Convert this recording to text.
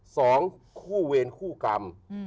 สองคู่เวรคู่กรรม